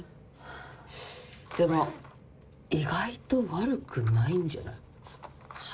でも意外と悪くないんじゃない？は？